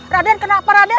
raden kenapa raden